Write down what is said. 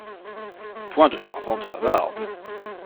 Point de servantes bavardes.